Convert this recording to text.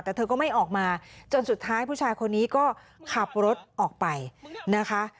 แต่เธอก็ไม่ออกมาจนสุดท้ายผู้ชายคนนี้ก็ขับรถออกไปนะคะ